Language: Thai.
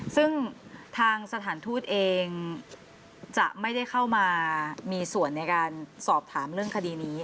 ซึ่งทางสถานทูตเองจะไม่ได้เข้ามามีส่วนในการสอบถามเรื่องคดีนี้